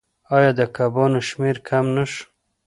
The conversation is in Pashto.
آیا د کبانو شمیر کم نشو؟